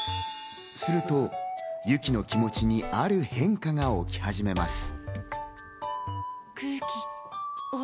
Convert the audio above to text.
すると、ゆきの気持ちにある変化が起き始めます。